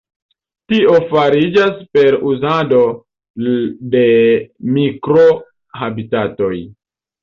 Tio fariĝas per uzado de mikro-habitatoj.